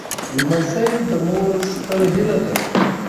لمسی د مور ستره هيله ده.